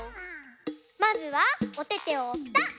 まずはおててをぴたっ！